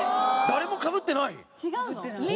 誰もかぶってない。